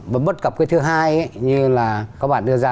và bất cập cái thứ hai như là các bạn đưa ra